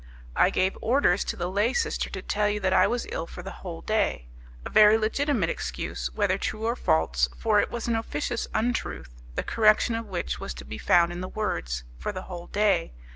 I gave orders to the lay sister to tell you that I was ill for the whole day; a very legitimate excuse; whether true or false, for it was an officious untruth, the correction of which, was to be found in the words: for the whole day.